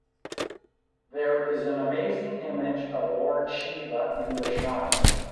There is an amazing image of Lord Shiva in the shrine.